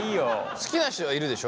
好きな人はいるでしょ？